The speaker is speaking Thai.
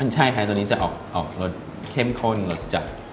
ใช่ค่ะตัวนี้จะออกรสเข้มข้นรสจัด